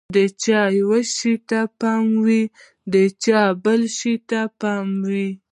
د چا یوه شي ته پام وي، د چا بل شي ته پام وي.